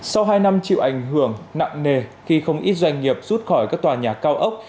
sau hai năm chịu ảnh hưởng nặng nề khi không ít doanh nghiệp rút khỏi các tòa nhà cao ốc